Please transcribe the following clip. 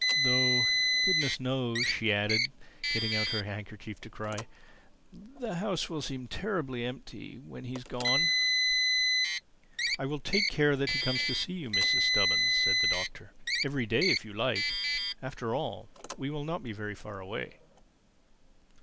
Though goodness knows," she added, getting out her handkerchief to cry, "the house will seem terribly empty when he's gone." "I will take care that he comes to see you, Mrs. Stubbins," said the Doctor—"every day, if you like. After all, he will not be very far away."